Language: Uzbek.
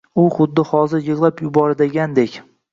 U xuddi hozir yigʻlab yuboradigandek.